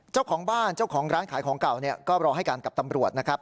เจ้าของบ้านเจ้าของร้านขายของเก่าก็รอให้กันกับตำรวจนะครับ